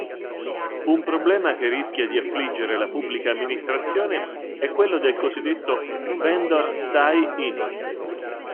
Un problema che rischia di affliggere la Pubblica Amministrazione è quello del cosiddetto "vendor tie-in".